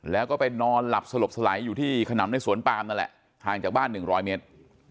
แล้วก็ไปนอนหลับสลบสลายอยู่ที่ขนำในสวนปามนั่นแหละห่างจากบ้าน๑๐๐เมตร